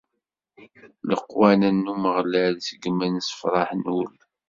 Leqwanen n Umeɣlal seggmen, ssefraḥen ul.